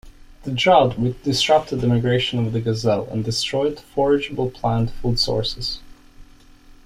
The drought disrupted the migration of the gazelle and destroyed forageable plant food sources.